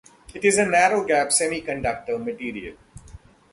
It is a narrow-gap semiconductor material.